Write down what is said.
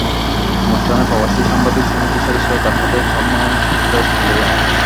অনুষ্ঠানে প্রবাসী সাংবাদিক সমিতির সদস্যরা তাঁর হাতে সম্মাননা ক্রেস্ট তুলে দেন।